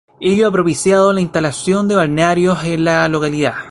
Ello ha propiciado la instalación de balnearios en la localidad.